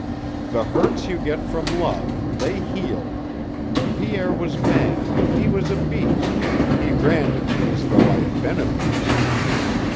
The hurts you get from love, they heal. Pierre was mad, he was a beast, he branded me as though I had been a beast.